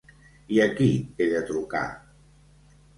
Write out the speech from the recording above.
I a qui he de trucar?